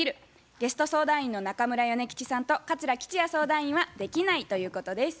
ゲスト相談員の中村米吉さんと桂吉弥相談員は「できない」ということです。